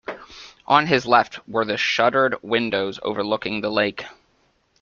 On his left were the shuttered windows overlooking the lake.